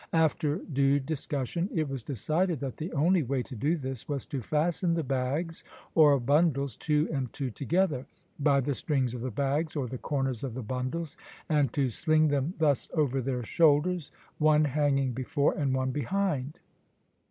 After due discussion it was decided that the only way to do this was to fasten the bags or bundles two and two together, by the strings of the bags or the corners of the bundles, and to sling them thus over their shoulders, one hanging before and one behind.